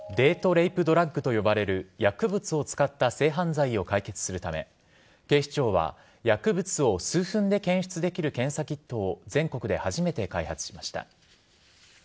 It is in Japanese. レイプドラッグと呼ばれる薬物を使った性犯罪を解決するため警視庁は薬物を数分で検出できる検査キットを全国で初めて開発しました。